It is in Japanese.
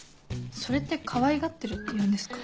それってかわいがってるって言うんですか？